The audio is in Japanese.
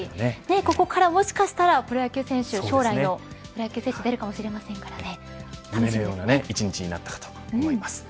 ここからもしかしたらプロ野球選手将来のプロ野球選手出るかもしれませんからね。